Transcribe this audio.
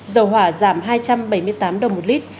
dầu hỏa giảm hai trăm bảy mươi tám đồng một lít